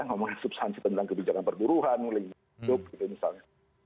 ngomongin substansi tentang kebijakan perburuhan lingkungan hidup gitu misalnya